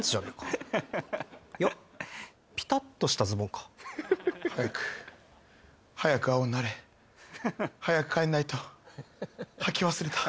いやピタッとしたズボンか早く早く青になれ早く帰んないとはき忘れた